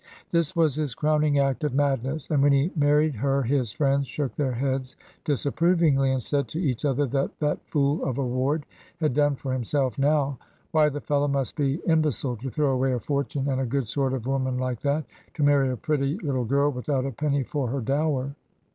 This was his crowning act of madness; and when he married her his friends shook their heads disapprovingly, and said to each other that that fool of a Ward had done for himself now. Why, the fellow must be imbecile to throw away a fortune and a good sort of woman like that, to marry a pretty little girl, without a penny for her dower!